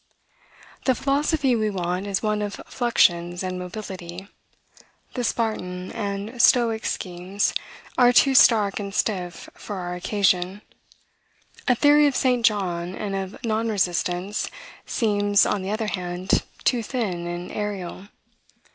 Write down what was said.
The philosophy we want is one of fluxions and mobility. The Spartan and Stoic schemes are too stark and stiff for our occasion. A theory of Saint John, and of non resistance, seems, on the other hand, too thin and aerial.